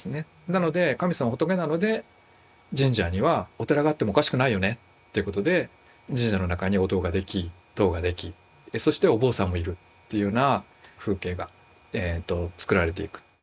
なので神様も仏なので神社にはお寺があってもおかしくないよねってことで神社の中にお堂ができ塔ができそしてお坊さんもいるっていうような風景が作られていく。